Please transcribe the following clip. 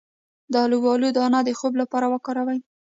د الوبالو دانه د خوب لپاره وکاروئ